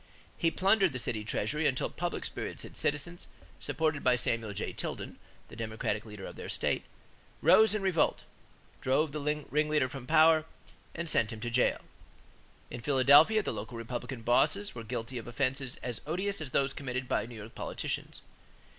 He plundered the city treasury until public spirited citizens, supported by Samuel J. Tilden, the Democratic leader of the state, rose in revolt, drove the ringleader from power, and sent him to jail. In Philadelphia, the local Republican bosses were guilty of offenses as odious as those committed by New York politicians.